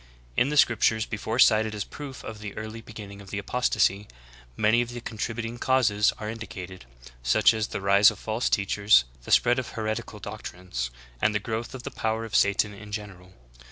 2. In the scriptures before cited as proof of the early be ginning of the apostasy, many of the contributing causes are indicated, such as the rise of false teachers, the spread of heretical doctrines, and the growth of the power of Satan in general.